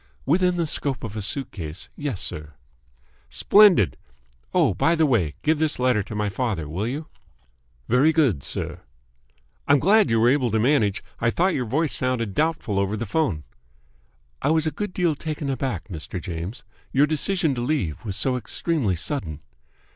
"Within the scope of a suitcase, yes, sir." "Splendid! Oh, by the way, give this letter to my father, will you?" "Very good, sir." "I'm glad you were able to manage. I thought your voice sounded doubtful over the phone." "I was a good deal taken aback, Mr. James. Your decision to leave was so extremely sudden."